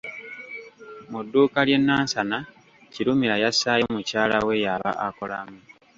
Mu dduuka ly'e Nansana Kirumira yassaayo mukyala we y'aba akolamu.